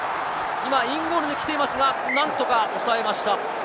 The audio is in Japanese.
今、インゴールに来ていますが、なんとか抑えました。